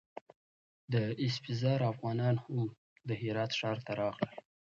د اسفزار افغانان هم د هرات ښار ته راغلل.